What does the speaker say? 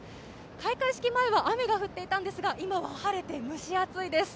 開会式前は雨が降っていたんですが今は晴れて蒸し暑いです。